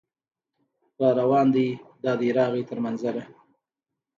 راروان دی دا دی راغی تر منزله